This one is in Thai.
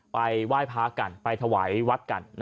ไปว่ายพ้ากันไปถวายวัฒน์กัน